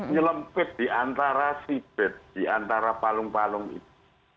nyelempit di antara si bed di antara palung palung itu